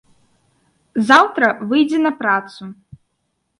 Заўтра выйдзе на працу.